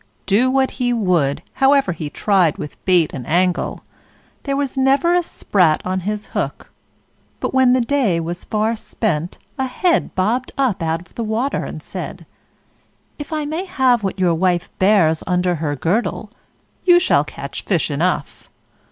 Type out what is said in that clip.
Do what he would however he tried with bait and angle there was never a sprat on his hook. But when the day was far spent a head bobbed up out of the water, and said: "If I may have what your wife bears under her girdle, you shall catch fish enough."